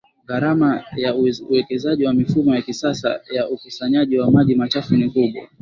Gharama ya uwekezaji ya mifumo ya kisasa ya ukusanyaji wa maji machafu ni kubwa